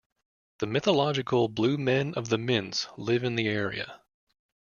The mythological Blue men of the Minch live in the area.